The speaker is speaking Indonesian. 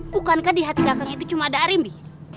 bukankah di hati belakang itu cuma ada arimbi